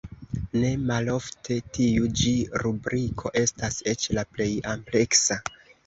Ne malofte tiu ĉi rubriko estas eĉ la plej ampleksa.